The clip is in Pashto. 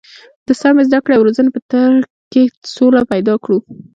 د سمې زده کړې او روزنې په تر کې سوله پیدا کړو.